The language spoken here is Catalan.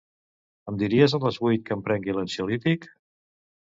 Em diries a les vuit que em prengui l'ansiolític?